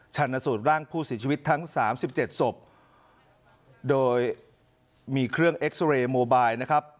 ชาญสูตรร่างผู้ศิลปิดทั้ง๓๗ศพโดยมีเครื่องเอ็กซเรย์โมไบล์นะครับ